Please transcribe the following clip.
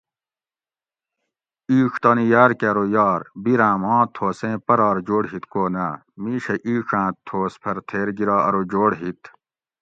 اِیڄ تانی یار کہ ارو یار ! بیراۤں ماں تھوسیں پرہار جوڑ ہِت کو نہ ؟ مِیشہ اِیڄاۤن تھوس پھر تھیر گِرا ارو جوڑ ہِت